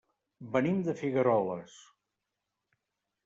Venim de Figueroles.